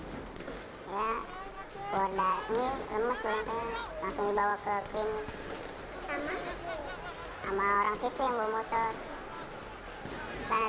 saya nunggu temen temen ada tuh